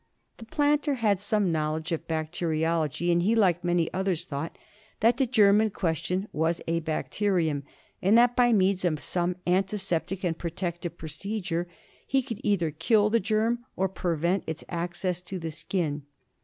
The planter had some knowledge of bacteriology, and he, like many others, thought that the germ in question was a bacterium, and that by means of some antiseptic and protective procedure he could either kill the germ or prevent its access to the skin.